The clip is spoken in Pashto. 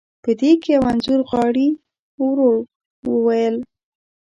په دې کې یو رنځور غاړي، ورو وویل.